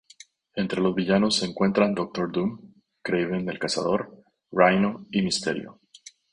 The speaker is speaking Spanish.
Entre los villanos se encuentran Doctor Doom, Kraven el Cazador, Rhino y Mysterio.